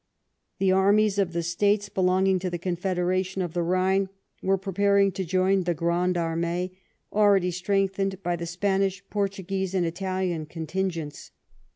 The armies of the States belonging to the Confederation of the Ehine were preparing to join the Grande Armee, already strengthened by the Spanish, Portuguese, and Italian contingents.